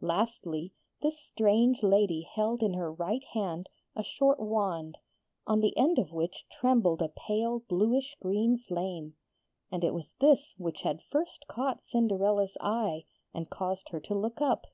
Lastly, this strange lady held in her right hand a short wand, on the end of which trembled a pale bluish green flame; and it was this which had first caught Cinderella's eye and caused her to look up.